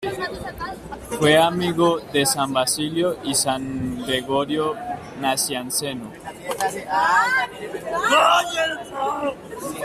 Fue amigo de San Basilio y San Gregorio Nacianceno.